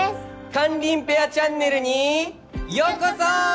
かんりんペアチャンネルにようこそ！